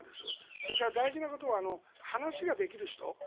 それから大事なことは話ができる人。